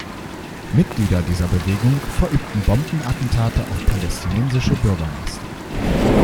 Mitglieder dieser Bewegung verübten Bombenattentate auf palästinensische Bürgermeister.